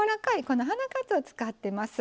この花かつおを使ってます。